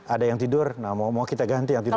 ada yang tidur mau kita ganti yang tidur